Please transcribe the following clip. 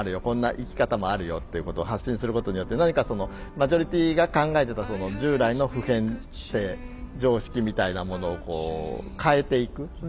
こんな生き方もあるよっていうことを発信することによって何かそのマジョリティーが考えてた従来の普遍性常識みたいなものをこう変えていく。